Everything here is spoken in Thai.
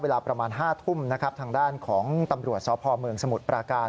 เวลาประมาณ๕ทุ่มนะครับทางด้านของตำรวจสพเมืองสมุทรปราการ